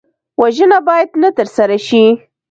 وژنه باید نه ترسره شي